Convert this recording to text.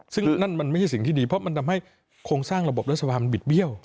ซึ่งนั่นมันไม่ใช่สิ่งที่ดีเพราะมันทำให้โครงสร้างระบบรัฐสภามันบิดเบี้ยว